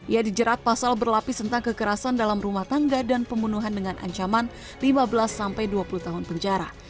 ia dijerat pasal berlapis tentang kekerasan dalam rumah tangga dan pembunuhan dengan ancaman lima belas sampai dua puluh tahun penjara